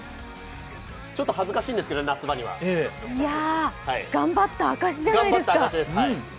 ちょっと恥ずかしいんですけど夏場には。頑張った証しじゃないですか。